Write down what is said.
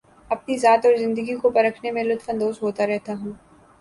اپنی ذات اور زندگی کو پرکھنے میں لطف اندوز ہوتا رہتا ہوں